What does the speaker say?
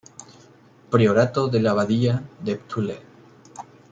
Priorato de la abadía de Tulle.